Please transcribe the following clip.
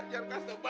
jangan kasi pak